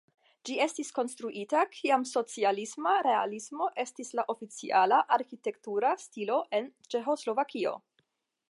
Ĝi estis konstruita kiam socialisma realismo estis la oficiala arkitektura stilo en Ĉeĥoslovakio.